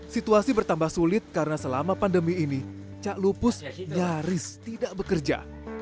situasi bertambah sulit karena selama pandemi ini cak lupus nyaris tidak bekerja